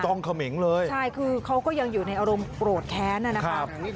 ต้องเขมิงเลยใช่คือเขาก็ยังอยู่ในอารมณ์โปรดแค้นน่ะนะคะ